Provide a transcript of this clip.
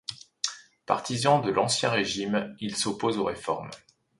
Partisan de l'Ancien régime, il s'oppose aux réformes.